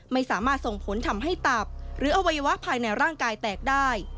ไม่สามารถส่งผลทำให้ตับหรืออวัยวะภายในร่างกายแตกได้